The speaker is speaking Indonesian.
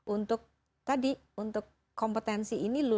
untuk tadi untuk kompetensi ini